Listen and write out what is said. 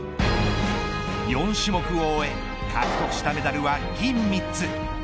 ４種目を終え獲得したメダルは銀３つ。